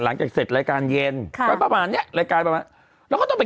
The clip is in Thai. หลังจากเสร็จรายการเย็นค่ะก็ประมาณเนี้ยรายการประมาณเราก็ต้องไป